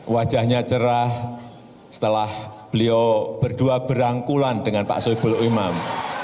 wajahnya cerah setelah beliau berdua berangkulan dengan pak soebul imam